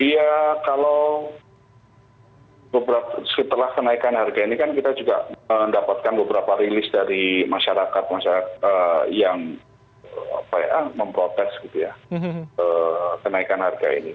ya kalau setelah kenaikan harga ini kan kita juga mendapatkan beberapa rilis dari masyarakat masyarakat yang memprotes kenaikan harga ini